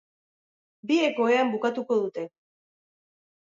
Biek ohean bukatuko dute.